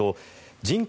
人口